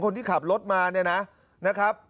คนที่ขับรถมานะครับ